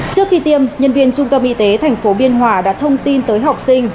trước khi tiêm nhân viên trung tâm y tế thành phố biên hòa đã thông tin tới học sinh